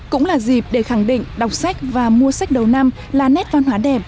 cũng là dịp để khẳng định đọc sách và mua sách đầu năm là nét văn hóa đẹp